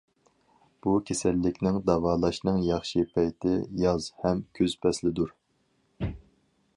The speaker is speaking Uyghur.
بۇ كېسەللىكنى داۋالاشنىڭ ياخشى پەيتى ياز ھەم كۈز پەسلىدۇر.